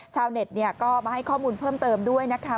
ชาวเน็ตก็มาให้ข้อมูลเพิ่มเติมด้วยนะคะ